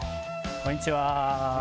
こんにちは。